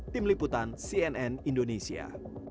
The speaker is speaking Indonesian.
tim liputan cnn indonesia